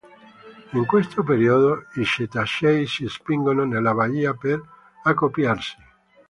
In questo periodo i cetacei si spingono nella baia per accoppiarsi.